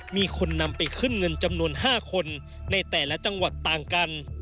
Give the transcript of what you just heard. มีคนนำไปขึ้นเงินจำนวน๕คนในแต่ละจังหวัดต่างกัน